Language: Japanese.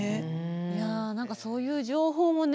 いや何かそういう情報もね